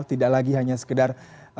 tidak lagi hanya sekedar